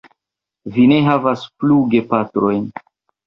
Vi ne havas plu gepatrojn.